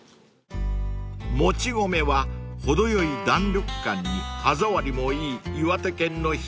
［もち米は程よい弾力感に歯触りもいい］